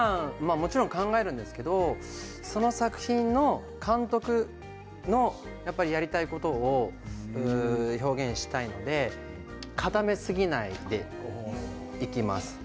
もちろん考えるんですけれどその作品の監督のやりたいことを表現したいので、固めすぎないでいきます。